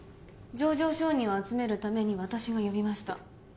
情状証人を集めるために私が呼びました